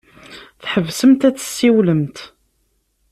Tḥebsemt ad tessiwlemt.